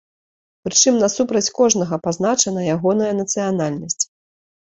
Прычым насупраць кожнага пазначана ягоная нацыянальнасць.